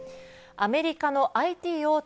アメリカのＩＴ大手